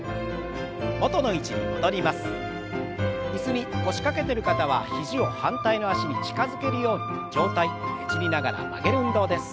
椅子に腰掛けてる方は肘を反対の脚に近づけるように上体ねじりながら曲げる運動です。